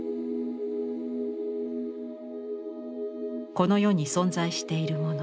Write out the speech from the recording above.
この世に存在しているもの